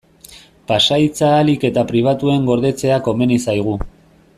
Pasahitza ahalik eta pribatuen gordetzea komeni zaigu.